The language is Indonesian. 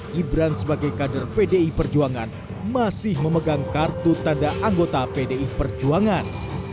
gibran sebagai kader pdi perjuangan masih memegang kartu tanda anggota pdi perjuangan